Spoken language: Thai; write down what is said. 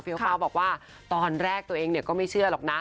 ฟ้าบอกว่าตอนแรกตัวเองก็ไม่เชื่อหรอกนะ